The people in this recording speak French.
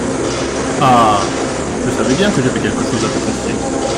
Ah ! je savais bien que j’avais quelque chose à te confier.